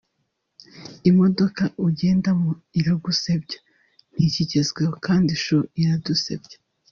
imodoka ugendamo iragusebya ntikigezweho kandi chouu iradusebya